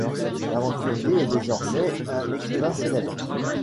L’aventurier est désormais un écrivain célèbre.